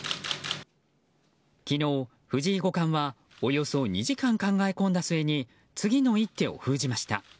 昨日、藤井五冠はおよそ２時間考えこんだ末に次の一手を封じました。